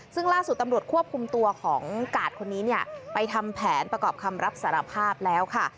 ซึ่งล่าสุดตำรวจควบคุมตัวของกาดคนนี้เนี่ยไปทำแผนประกอบคำรับสารภาพแล้วค่ะ